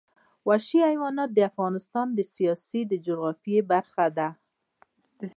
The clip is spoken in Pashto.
وحشي حیوانات د افغانستان د سیاسي جغرافیه برخه ده.